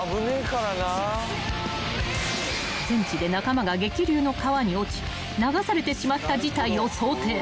［戦地で仲間が激流の川に落ち流されてしまった事態を想定］